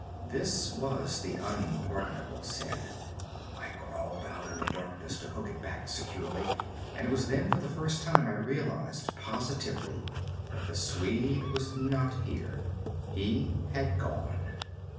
This was the unpardonable sin. I crawled out in the darkness to hook it back securely, and it was then for the first time I realized positively that the Swede was not here. He had gone.